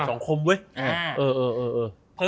ดัดสองคมเว้ย